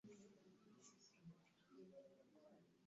b nibutse ko iyo naniwe ari